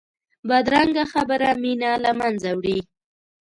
بدرنګه خبره مینه له منځه وړي